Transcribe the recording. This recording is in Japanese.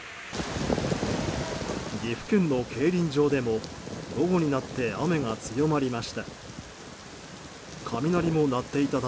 岐阜県の競輪場でも午後になって雨が強まりました。